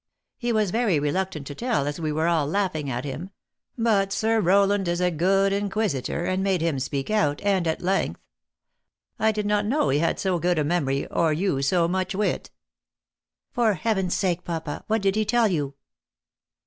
He was very reluctant to tell, as we were all laughing at him ; but Sir Rowland is a good inquisitor, and made him speak out, and at length. I did not know he had so good a memory, or you so much wit." "For Heaven s sake, papa, what did he tell you?"